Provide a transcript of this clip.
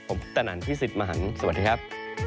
ผมพุทธนันพี่สิทธิ์มหันฯสวัสดีครับ